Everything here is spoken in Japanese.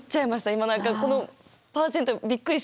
今何かこの％びっくりしましたけど。